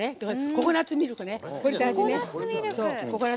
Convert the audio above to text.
ココナツミルクも大事ね。